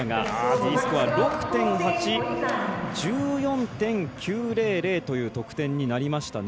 Ｄスコア６．８。１４．９００という得点になりましたね。